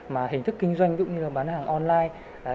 mà hình thức kinh doanh cũng như là bán hàng online